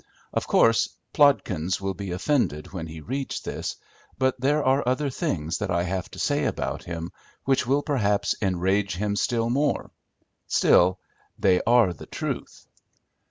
Of course Plodkins will be offended when he reads this, but there are other things that I have to say about him which will perhaps enrage him still more; still they are the truth.